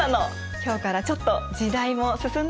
今日からちょっと時代も進んだしね。